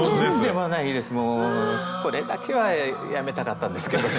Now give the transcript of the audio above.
もうこれだけはやめたかったんですけどね。